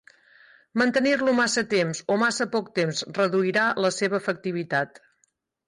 Mantenir-lo massa temps o massa poc temps reduirà la seva efectivitat.